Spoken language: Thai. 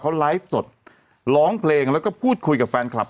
เขาไลฟ์สดร้องเพลงแล้วก็พูดคุยกับแฟนคลับ